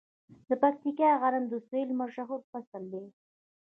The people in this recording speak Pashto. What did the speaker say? د پکتیکا غنم د سویل مشهور فصل دی.